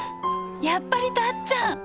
やっぱりたっちゃん！